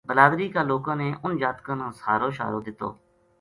بلادری کا لوکاں نے اُنھ جاتکاں نا سھارو شھارو دِتو